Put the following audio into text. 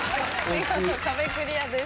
見事壁クリアです。